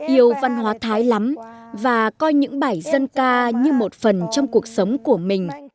yêu văn hóa thái lắm và coi những bài dân ca như một phần trong cuộc sống của mình